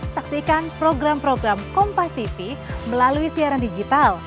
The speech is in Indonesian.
saksikan program program kompativ melalui siaran digital